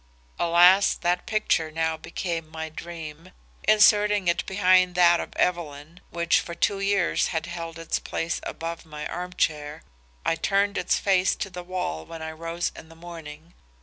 Alas, that picture now became my dream. "Inserting it behind that of Evelyn which for two years had held its place above my armchair, I turned its face to the wall when I rose in the morning.